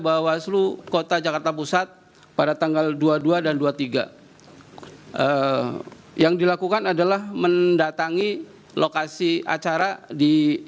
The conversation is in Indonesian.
bawaslu kota jakarta pusat pada tanggal dua puluh dua dan dua puluh tiga yang dilakukan adalah mendatangi lokasi acara di